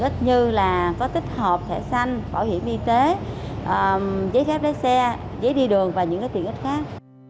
tiết kiệm như là có tích hợp thẻ xanh phỏa hiểm y tế giấy khép đáy xe giấy đi đường và những cái tiết kiệm khác